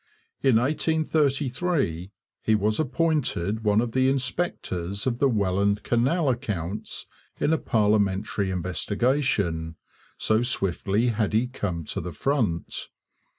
In 1833 he was appointed one of the inspectors of the Welland Canal accounts in a parliamentary investigation, so swiftly had he come to the front.